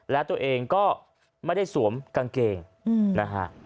และตัวเองก็ไม่ได้สวมกางเกงนะฮะ